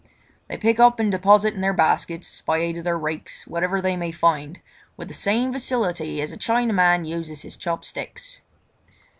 They pick up and deposit in their baskets, by aid of their rakes, whatever they may find, with the same facility as a Chinaman uses his chopsticks.